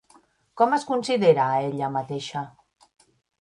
Com es considera a ella mateixa?